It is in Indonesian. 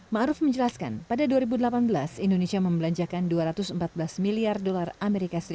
⁇ aruf menjelaskan pada dua ribu delapan belas indonesia membelanjakan dua ratus empat belas miliar dolar as